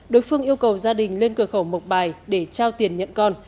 đối phương yêu cầu gia đình lên cửa khẩu mộc bài để trao tiền nhận con